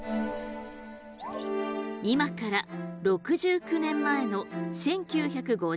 今から６９年前の１９５２年。